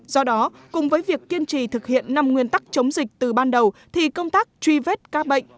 do đó cùng với việc kiên trì thực hiện năm nguyên tắc chống dịch từ ban đầu thì công tác truy vết các bệnh